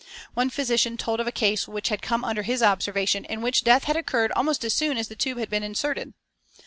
One physician told of a case which had come under his observation in which death had occurred almost as soon as the tube had been inserted.